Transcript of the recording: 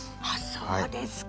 そうですか。